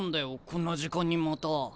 こんな時間にまた。